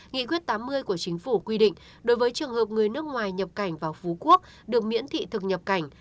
nghị quyết tám mươi của chính phủ quy định đối với trường hợp người nước ngoài nhập cảnh vào phú quốc được miễn thị thực nhập cảnh